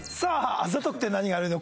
『あざとくて何が悪いの？』